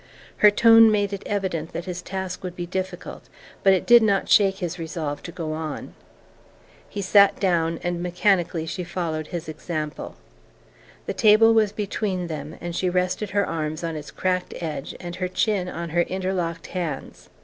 Her tone made it evident that his task would be difficult, but it did not shake his resolve to go on. He sat down, and mechanically she followed his example. The table was between them and she rested her arms on its cracked edge and her chin on her interlocked hands.